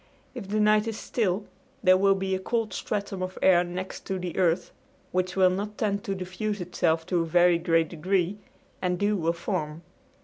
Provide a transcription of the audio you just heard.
If the night is still there will be a cold stratum of air next to the earth, which will not tend to diffuse itself to a very great degree and dew will form.